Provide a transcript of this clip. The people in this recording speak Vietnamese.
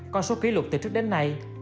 con số kỷ lục từ trước đến nay